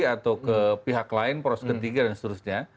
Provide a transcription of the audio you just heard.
atau ke pihak lain poros ketiga dan seterusnya